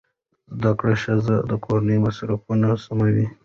زده کړه ښځه د کورنۍ مصرفونه سموي.